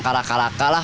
kalau ada apa apa